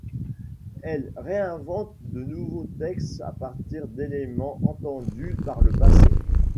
Elle réinvente de nouveaux textes à partir d'éléments entendus par le passé.